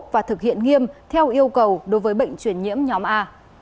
và thực hiện nghiêm theo yêu cầu đối với bệnh truyền nhiễm nhóm a